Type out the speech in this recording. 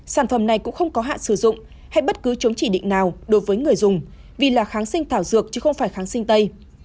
sản phẩm này cũng không có hạn sử dụng hay bất cứ chống chỉ định nào đối với người dùng vì là kháng sinh thảo dược chứ không phải kháng sinh tây